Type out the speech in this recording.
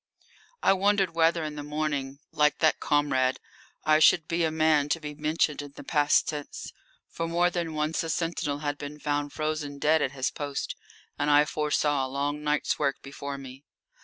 I wondered whether in the morning, like that comrade, I should be a man to be mentioned in the past tense. For more than once a sentinel had been found frozen dead at his post, and I foresaw a long night's work before me.